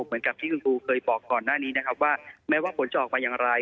เหมือนกับที่คุณครูเคยบอกก่อนหน้านี้นะครับว่าแม้ว่าผลจะออกมาอย่างไร